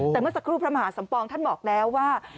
แต่เมื่อสักครู่พระมหาสมปองท่านบอกแล้วว่า